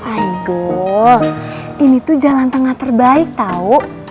aduh ini tuh jalan tengah terbaik tau